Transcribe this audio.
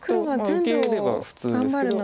受ければ普通ですけど。